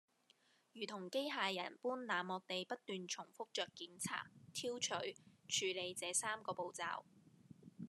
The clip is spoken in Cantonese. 如同機械人般冷漠地不斷重覆著檢查、挑取、處理這三個步驟